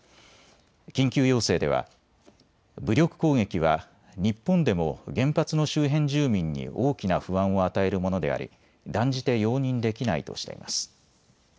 緊急要請では武力攻撃は日本でも原発の周辺住民に大きな不安を与えるものであり断じて容認できないとしています。